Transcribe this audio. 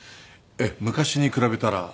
昔に比べたら。